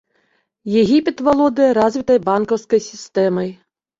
Егіпет валодае развітай банкаўскай сістэмай.